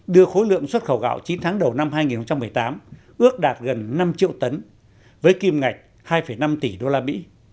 đưa khối lượng xuất khẩu gạo chín tháng đầu năm hai nghìn một mươi tám ước đạt gần năm triệu tấn với kim ngạch hai năm tỷ đô la mỹ